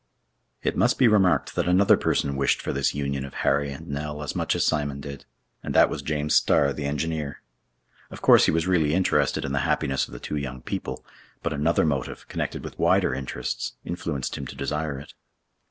It must be remarked that another person wished for this union of Harry and Nell as much as Simon did—and that was James Starr, the engineer. Of course he was really interested in the happiness of the two young people. But another motive, connected with wider interests, influenced him to desire it.